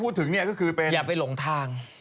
พูดถึงเนี่ยก็คือเป็นอย่าไปหลงทาง